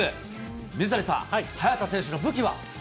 水谷さん、早田選手の武器は？